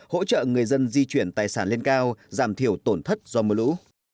hỗ trợ người dân di chuyển tài sản lên cao giảm thiểu tổn thất do mưa lũ